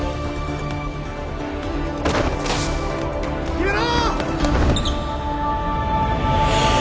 決めろ！